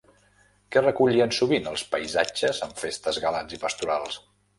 Què recollien sovint els paisatges amb festes galants i pastorals?